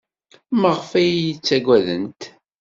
Maɣef ay iyi-ttaggadent?